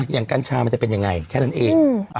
กัญชามันจะเป็นยังไงแค่นั้นเอง